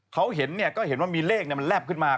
เขาเห็นเนี่ยก็เห็นว่ามีเลขมันแลบขึ้นมา